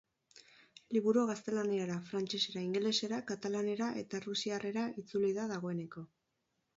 Liburua gaztelaniara, frantsesera, ingelesera, katalanera eta errusiarrera itzuli da dagoeneko.